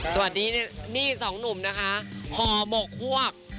สวัสดีนี่สองหนุ่มนะคะห่อหมกฮวก